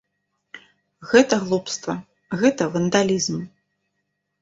Гэта глупства, гэта вандалізм.